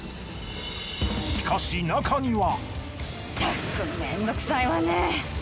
しかしなかには。